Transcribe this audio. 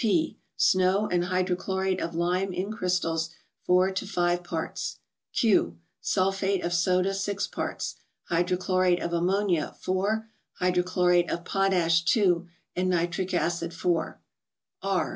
P. —Snow, and hydrochlorate of lime in crystals, 4 to 5 parts. Q. —Sulphate of soda 6 parts, hydrochlorate of ammo¬ nia 4, hydrochlorate of potash 2, and nitric acid 4. R.